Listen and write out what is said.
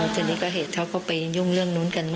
ทีนี้ก็เหตุเขาก็ไปยุ่งเรื่องนู้นกัน